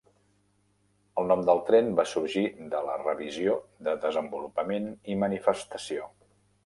El nom del tren va sorgir de la Revisió de desenvolupament i manifestació.